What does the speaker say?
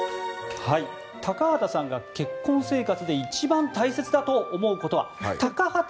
高畑さんが結婚生活で一番大切だと思うことは？